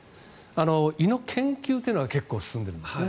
胃の研究というのは結構進んでるんですね。